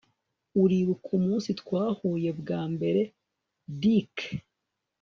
Uribuka umunsi twahuye bwa mbere Dick